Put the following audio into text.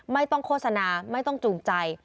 ไม่ต้องโฆษณาไม่ต้องจูงใจ